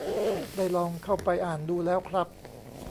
ได้ลองเข้าไปอ่านดูแล้วครับ